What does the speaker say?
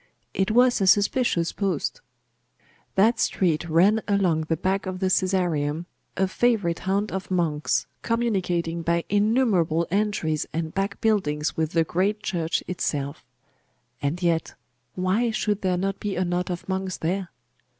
It was a suspicious post. That street ran along the back of the Caesareum, a favourite haunt of monks, communicating by innumerable entries and back buildings with the great Church itself.... And yet, why should there not be a knot of monks there?